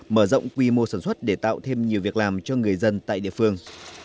mở rộng quy mô sản xuất để tạo thêm nhiều việc làm cho người dân tại địa phương